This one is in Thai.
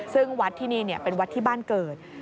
ซึ่งวัดที่นี่เป็นวัดที่บ้านเกิด